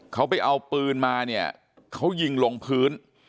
เขาไปเอาปืนมาเนี่ยเขายิงลงพื้น